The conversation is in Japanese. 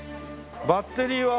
バッテリーは？